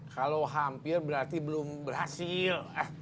kalau hampir berarti belum berhasil